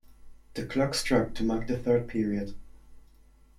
The clock struck to mark the third period.